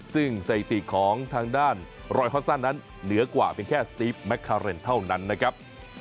ซึ่งสถิติของทางด้านรอยฮอตซันนั้นเหนือกว่าเพียงแค่สตีฟแมคคาเรนเท่านั้นนะครับ